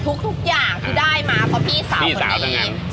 ทุกอย่างที่ได้มาเพราะพี่สาวคนนี้ไง